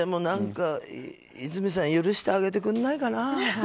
和泉さんもう許してあげてくれないかな。